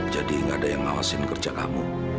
jadi gak ada yang ngawasin kerja kamu